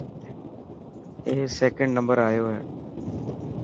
اي سڪنڊ نمبر آيو هي.